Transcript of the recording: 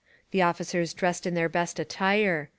The officers dressed in their best attire.